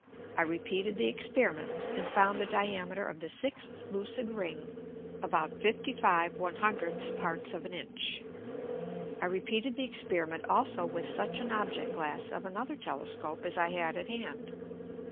I repeated the Experiment, and found the Diameter of the sixth lucid Ring about 55/100 parts of an Inch. I repeated the Experiment also with such an Object glass of another Telescope as I had at hand.